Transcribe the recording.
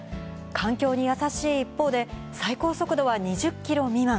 環境に優しい一方で、最高速度は２０キロ未満。